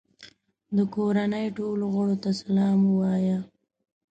د کورنۍ ټولو غړو ته سلام ووایه.